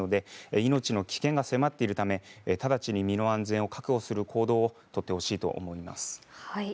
命の危険が迫っているため直ちに身の安全を確保する行動を取ってほしいと思います。